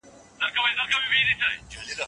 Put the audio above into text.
هيوادونه به خپل بهرنی سياست پياوړی کړي.